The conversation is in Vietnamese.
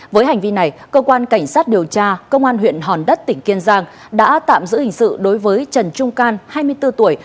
với hành vi này cơ quan cảnh sát điều tra công an huyện hòn đất tỉnh kiên giang đã tạm giữ hình sự đối với trần trung can hai mươi bốn tuổi